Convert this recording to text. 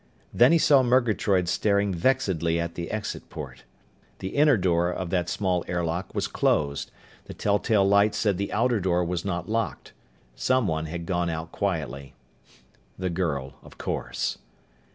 Then he saw Murgatroyd staring vexedly at the exit port. The inner door of that small airlock was closed. The telltale light said the outer door was not locked. Someone had gone out quietly. The girl. Of course.